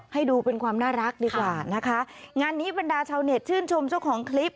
ให้ดูเป็นความน่ารักดีกว่านะคะงานนี้บรรดาชาวเน็ตชื่นชมเจ้าของคลิป